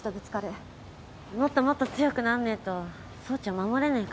もっともっと強くなんねえと総長守れねえからさ。